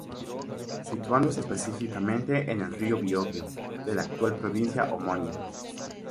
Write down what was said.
Situándose específicamente en el río Biobío de la actual provincia homónima.